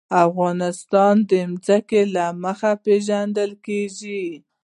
افغانستان د ځمکه له مخې پېژندل کېږي.